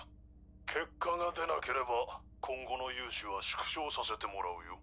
結果が出なければ今後の融資は縮小させてもらうよ。